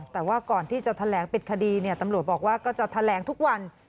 แต่ว่าก่อนที่จะแถลงปิดคดีตำรวจบอกว่าก็จะแถลงทุกวัน